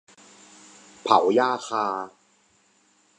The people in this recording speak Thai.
เผาหญ้าคา